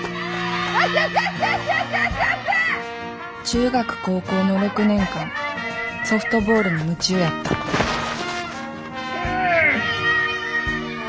中学高校の６年間ソフトボールに夢中やったセーフ！